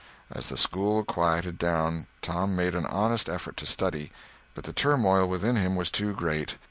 As the school quieted down Tom made an honest effort to study, but the turmoil within him was too great.